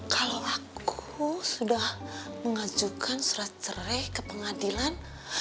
kalau aku sudah mengajukan surat cerai ke pengadilan